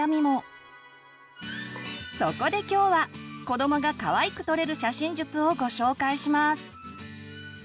そこで今日は子どもがかわいく撮れる写真術をご紹介します！